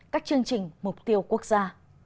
các chương trình mục tiêu quốc gia